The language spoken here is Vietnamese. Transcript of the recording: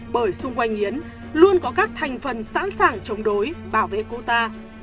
bởi xung quanh yến luôn có các thành phần sẵn sàng chống đối bảo vệ cô ta